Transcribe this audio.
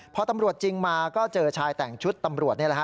พอตำรวจจริงมาก็เจอชายแต่งชุดตำรวจนี่แหละฮ